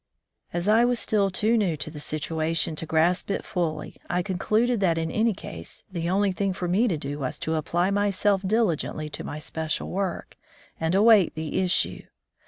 As I was still too new to the situation to grasp it fully, I concluded that in any case the only thing for me to do was to apply myself diligently to my special work, and await the issue.